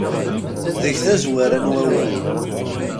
Deg tazwara n wawal.